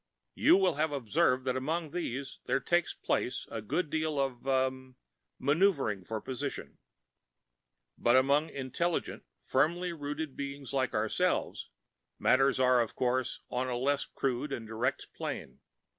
"You will have observed that among these there takes place a good deal of ... ah ... maneuvering for position. But among intelligent, firmly rooted beings like ourselves, matters are, of course, on a less crude and direct plane.